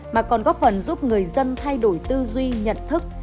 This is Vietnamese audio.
mà còn góp phần giúp người dân thay đổi tư duy nhận thức